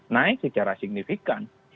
naik secara signifikan